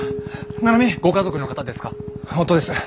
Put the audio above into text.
ご家族の方ですか？